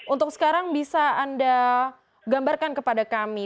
untuk sekarang bisa anda gambarkan kepada kami